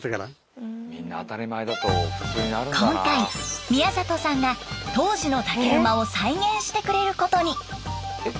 今回宮里さんが当時の竹馬を再現してくれることに。